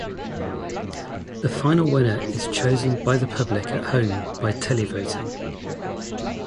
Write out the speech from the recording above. The final winner is chosen by the public at home by televoting.